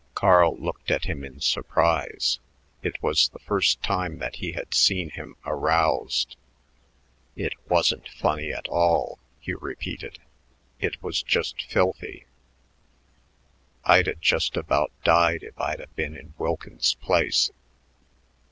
Carl looked at him in surprise. It was the first time that he had seen him aroused. "It wasn't funny at all," Hugh repeated; "it was just filthy. I'd 'a' just about died if I'd 'a' been in Wilkins's place.